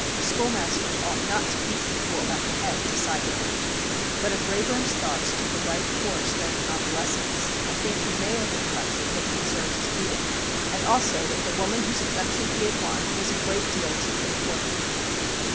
Schoolmasters ought not to beat people about the head, decidedly. But if Wrayburn's thoughts took a right course during convalescence, I think he may have reflected that he deserved his beating, and also that the woman whose affection he had won was a great deal too good for him.